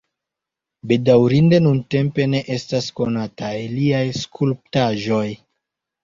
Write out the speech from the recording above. Bedaŭrinde nuntempe ne estas konataj liaj skulptaĵoj.